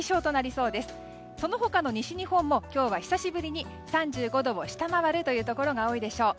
その他の西日本も今日は久しぶりに３５度を下回るところが多いでしょう。